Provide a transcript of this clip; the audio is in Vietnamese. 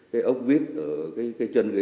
cái ốc vít ở cái chân ghế